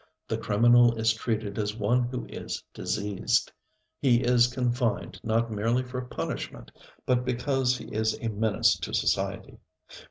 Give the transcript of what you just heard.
The criminal is treated as one who is diseased. He is confined not merely for punishment, but because he is a menace to society.